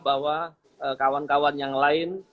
bahwa kawan kawan yang lain